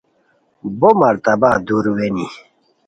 بو مرا تاب دُور وینی